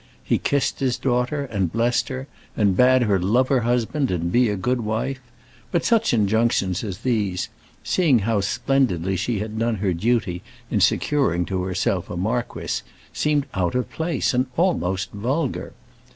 He kissed his daughter and blessed her, and bade her love her husband and be a good wife; but such injunctions as these, seeing how splendidly she had done her duty in securing to herself a marquis, seemed out of place and almost vulgar.